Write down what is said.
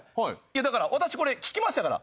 だから私これ聞きましたから。